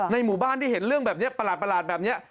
หมู่บ้านที่เห็นเรื่องแบบนี้ประหลาดแบบนี้